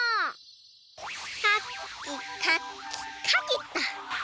かきかきかきっと！